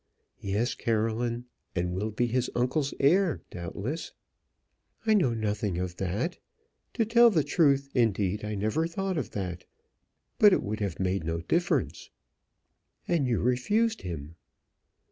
"Yes, Caroline; and will be his uncle's heir doubtless." "I know nothing of that; to tell the truth, indeed, I never thought of that. But it would have made no difference." "And you refused him."